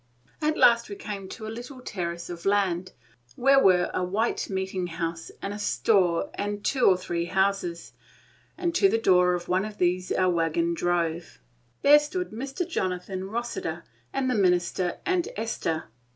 At last we came to a little terrace of land, where were a white meeting house, and a store, and two or three houses, and to the door of one of these our wagon drove. There stood Mr. Jonathan Rossiter and the minister and Esther.